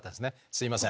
すいません。